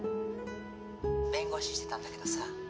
弁護士してたんだけどさ。